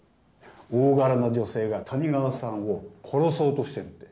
大柄な女性が谷川さんを殺そうとしてるって。